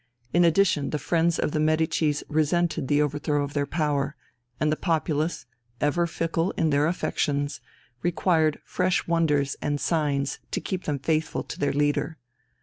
In addition the friends of the Medicis resented the overthrow of their power, and the populace, ever fickle in their affections, required fresh wonders and signs to keep them faithful to their leader.